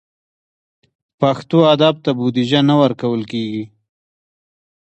پښتو ادب ته بودیجه نه ورکول کېږي.